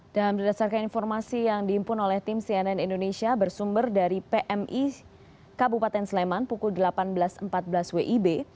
dan berdasarkan informasi yang diimpun oleh tim cnn indonesia bersumber dari pmi kabupaten sleman pukul delapan belas empat belas wib